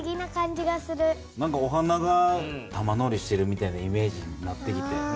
お花が玉乗りしてるみたいなイメージになってきて。